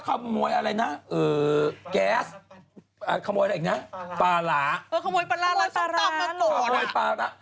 ขโมยปลาร้า